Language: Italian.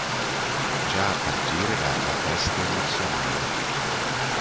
Già a partire da "La peste emozionale.